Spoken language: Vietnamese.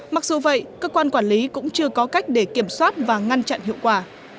mặc dù vậy cơ quan quản lý cũng chưa có cách để kiểm soát và ngăn chặn hiệu quả